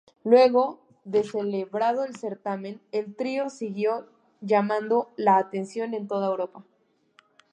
Luego de celebrado el certamen, el trío siguió llamando la atención en toda Europa.